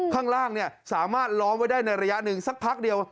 ข้างล่างสามารถล้อมไว้ได้ในระยะหนึ่งสักพักเดียว